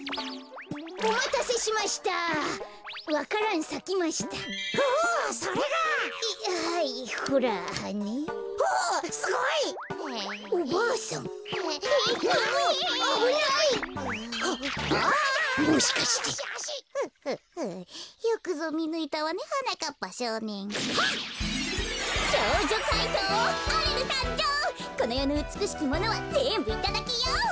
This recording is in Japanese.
このよのうつくしきものはぜんぶいただきよ！